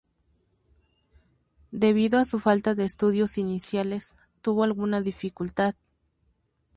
Debido a su falta de estudios iniciales, tuvo alguna dificultad.